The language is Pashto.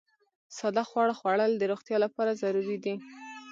ساده خواړه خوړل د روغتیا لپاره ضروري دي.